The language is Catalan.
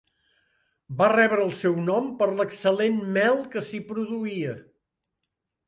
Va rebre el seu nom per l'excel·lent mel que s'hi produïa.